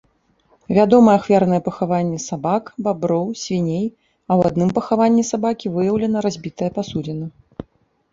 Вядомы ахвярныя пахаванні сабак, баброў, свіней, а ў адным пахаванні сабакі выяўлена разбітая пасудзіна.